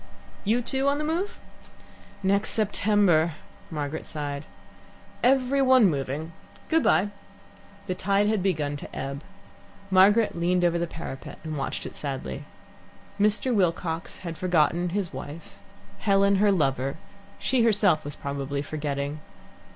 "You, too, on the move?" "Next September," Margaret sighed. "Every one moving! Good bye." The tide had begun to ebb. Margaret leant over the parapet and watched it sadly. Mr. Wilcox had forgotten his wife, Helen her lover; she herself was probably forgetting.